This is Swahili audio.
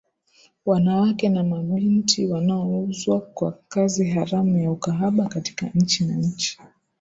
wanawake na mabinti wanaouzwa kwa kazi haramu ya ukahaba kati ya nchi na nchi